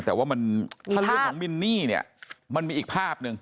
แต่ว่ามินนี่มันมีอีกภาพนึง